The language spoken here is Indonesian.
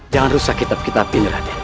jangan rusak kitab kitab ini raden